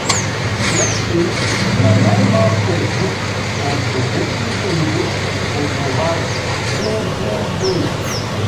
След туй на най-малкия звук, отгдето и да иде, отговаря: „Гул-гул-гул!“